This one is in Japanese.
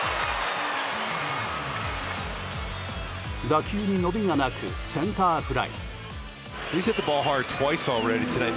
打球に伸びがなくセンターフライ。